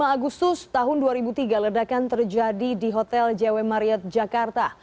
lima agustus tahun dua ribu tiga ledakan terjadi di hotel j w marriott jakarta